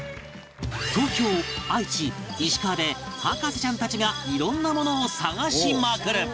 東京愛知石川で博士ちゃんたちが色んなものを探しまくる！